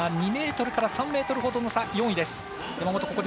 ２ｍから３ｍほどの差４位です。